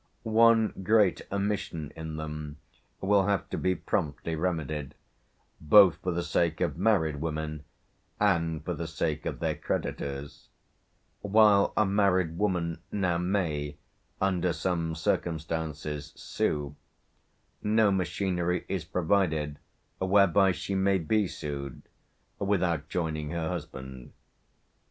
One great omission in them will have to be promptly remedied, both for the sake of married women and for the sake of their creditors: while a married woman now may, under some circumstances, sue, no machinery is provided whereby she may be sued without joining her husband.